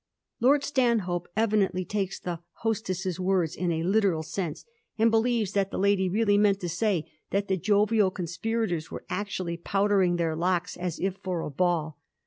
Lord Stanhope evidently takes the hostess's words in a literal sense, and believes that the lady really meant to say that the jovial conspirators were actually powdering their locks as if for a ball.